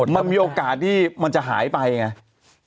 มันมีโอกาสที่มันจะหายไปไง